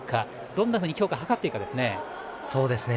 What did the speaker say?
どんなふうに強化を図っていくかですね。